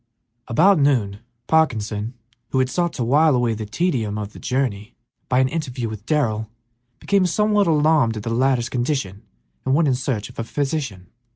About noon Parkinson, who had sought to while away the tedium of the journey by an interview with Darrell, became somewhat alarmed at the latter's condition and went in search of a physician.